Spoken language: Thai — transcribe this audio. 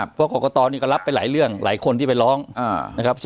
เพราะกรกตนี่ก็รับไปหลายเรื่องหลายคนที่ไปร้องนะครับ